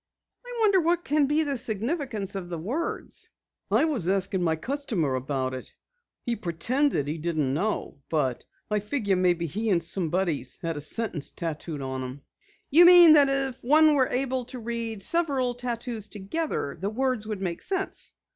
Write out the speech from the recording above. "I wonder what can be the significance of the words?" "I was asking my customer about it. He pretended he didn't know, but I figure maybe he and some buddies had a sentence tattooed on 'em." "You mean that if one were able to read several tattoos together, the words would make sense?"